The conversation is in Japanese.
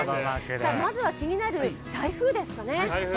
まずは気になる台風ですね。